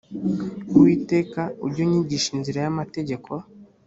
uwiteka ujye unyigisha inzira y amategeko